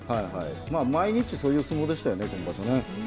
毎日そういう相撲でしたよね、今場所。